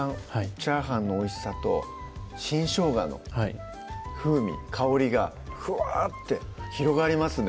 チャーハンのおいしさと新しょうがの風味・香りがふわって広がりますね